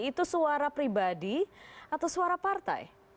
itu suara pribadi atau suara partai